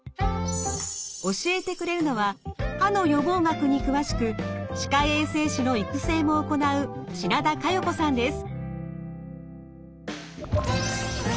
教えてくれるのは歯の予防学に詳しく歯科衛生士の育成も行う品田佳世子さんです。